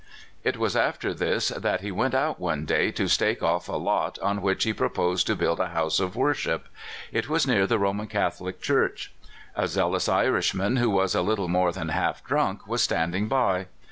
It was after this that he went out one day to stake off a lot on which he proposed to build a house of worship. It was near the Roman Catho lic Church. A zealous Irishman, who W 7 as a little more than half drunk, was standing by.